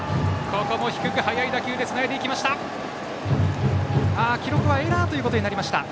ここも低く速い打球でつないできました。